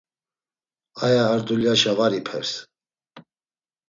Aya ar dulyaşa var ipers.